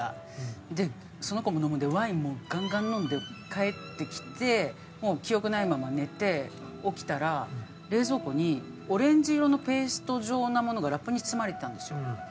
その子も飲むんでワインもうガンガン飲んで帰ってきて記憶ないまま寝て起きたら冷蔵庫にオレンジ色のペースト状のものがラップに包まれてたんですよ。